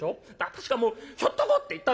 私がもう『ひょっとこ！』って言ったんですよ。